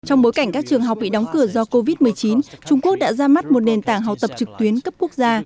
trong bối cảnh các trường học bị đóng cửa do covid một mươi chín trung quốc đã ra mắt một nền tảng học tập trực tuyến cấp quốc gia